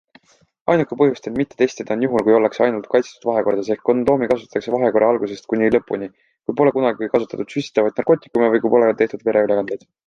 Ainuke põhjus end mitte testida on juhul, kui ollakse ainult kaitstud vahekordades ehk kondoomi kasutatakse vahekorra algusest kuni lõpuni, kui pole kunagi kasutatud süstitavaid narkootikume või kui pole tehtud vereülekandeid.